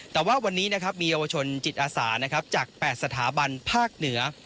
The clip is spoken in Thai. แต่ว่าวันนี้มีอวชนจิตอาสาจาก๘สถาบันภาคเหนือ